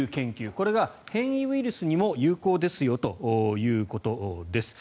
これが変異ウイルスにも有効ですよということです。